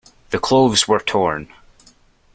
The clothes were torn.